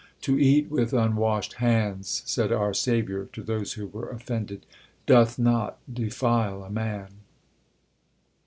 To eat with unwashed hands, said our Saviour to those who were offended, doth not defile a man."